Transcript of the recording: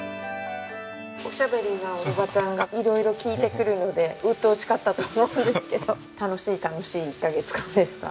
おしゃべりなおばちゃんが色々聞いてくるのでうっとうしかったと思うんですけど楽しい楽しい１カ月間でした。